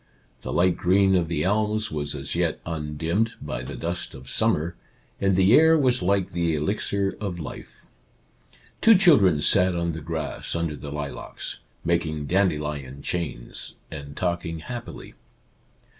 The light green of the elms was as yet undimmed by the dust of summer, and the air was like the elixir of life. 2 Our Little Canadian Cousin Two children sat on the grass under the lilacs, making dandelion chains and talking happily.